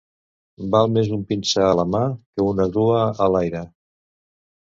Val més un pinsà a la mà que una grua a l'aire.